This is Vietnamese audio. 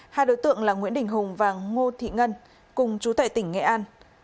hai đối tượng là nguyễn đình hùng và ngô thị ngân cùng chú tại tỉnh nghệ an